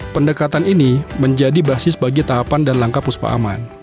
pendekatan ini menjadi basis bagi tahapan dan langkah puspa aman